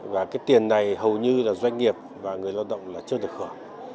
và cái tiền này hầu như là doanh nghiệp và người lao động là chưa được hưởng